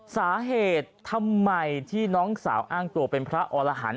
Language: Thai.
สาเหตุทำไมที่น้องสาวอ้างตัวเป็นพระอรหันธ